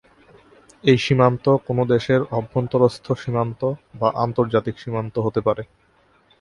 এই সীমান্ত কোনো দেশের অভ্যন্তরস্থ সীমান্ত বা আন্তর্জাতিক সীমান্ত হতে পারে।